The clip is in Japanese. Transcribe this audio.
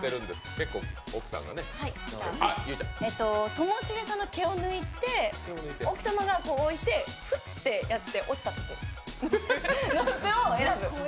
ともしげさんの毛を抜いて奥様が置いてふってやって落ちたところの服を選ぶ。